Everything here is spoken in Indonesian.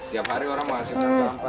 tiap hari orang menghasilkan sampah